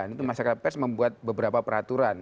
itu masyarakat pers membuat beberapa peraturan